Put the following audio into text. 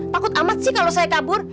takut amat sih kalau saya kabur